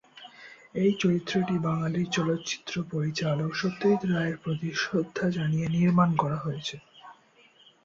এই চরিত্রটি বাঙালি চলচ্চিত্র পরিচালক সত্যজিৎ রায়ের প্রতি শ্রদ্ধা জানিয়ে নির্মাণ করা হয়েছে।